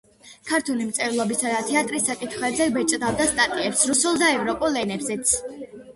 ქართული მწერლობისა და თეატრის საკითხებზე ბეჭდავდა სტატიებს რუსულ და ევროპულ ენებზეც.